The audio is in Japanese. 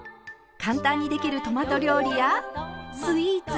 簡単にできるトマト料理やスイーツ。